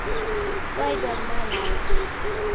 Kwaidwa na malagho